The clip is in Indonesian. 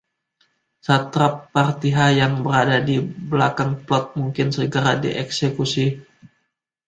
Satrap Parthia yang berada di belakang plot mungkin segera dieksekusi.